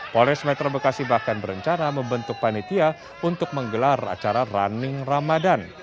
polres metro bekasi bahkan berencana membentuk panitia untuk menggelar acara running ramadan